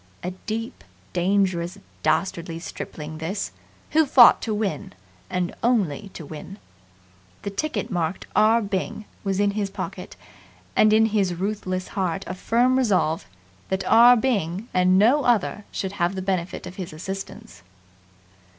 A deep, dangerous, dastardly stripling this, who fought to win and only to win. The ticket marked "R. Byng" was in his pocket, and in his ruthless heart a firm resolve that R. Byng and no other should have the benefit of his assistance.